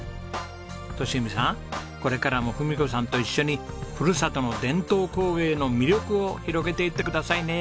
利文さんこれからも文子さんと一緒にふるさとの伝統工芸の魅力を広げていってくださいね。